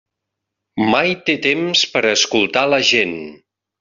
Mai té temps per escoltar la gent.